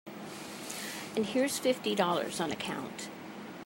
And here's fifty dollars on account.